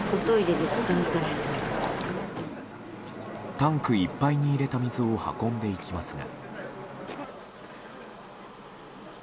タンクいっぱいに入れた水を運んでいきますが。